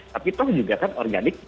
tapi toh juga kan organik